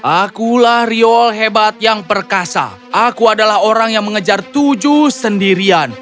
akulah riol hebat yang perkasa aku adalah orang yang mengejar tujuh sendirian